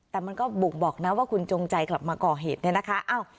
แต่มันก็บุกบอกนะว่าคุณจงใจกลับมาก่อเหตุเนี่ยนะคะ